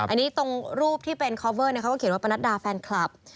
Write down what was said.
อันนี้ตรงรูปที่เป็นคอเวอร์เขาก็เขียนว่าประนัดดาแฟนคลับ